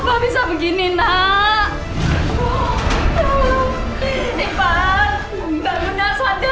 bahkan tadi militernya tumbuh semuanya di selalu